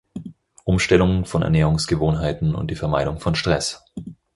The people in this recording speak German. Umstellung von Ernährungsgewohnheiten und die Vermeidung von Stress.